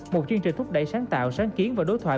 một chương trình thúc đẩy sáng tạo sáng kiến và đối thoại